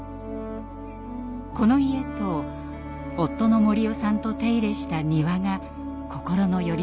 この家と夫の盛男さんと手入れした庭が心のよりどころでした。